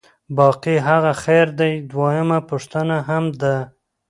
باقي هم خیر دی، دویمه پوښتنه هم ده.